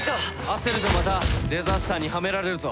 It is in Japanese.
焦るとまたデザスターにはめられるぞ。